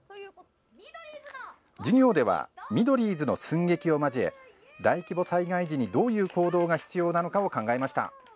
授業ではミドリーズの寸劇を交え大規模災害時に、どういう行動が必要なのかを考えました。